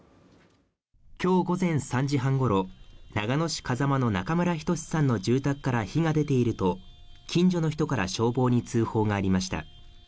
今日午前３時半ごろ、長野市風間の中村均さんの住宅から火が出ていると近所の人から消防に通報がありました。